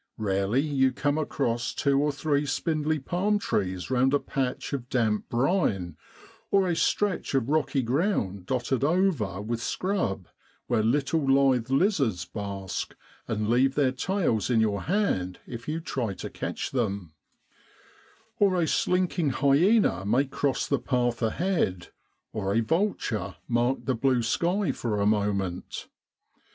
Rarely you come across two or three spindly palm trees round a patch of dkmp brine ; or a stretch of rocky ground dotted over with scrub, where little lithe lizards bask and leave their tails in your hand if you try to catch them; or a slinking hyena may cross the path ahead, or a vulture mark the blue sky for a moment.